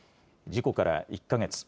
事故から１か月。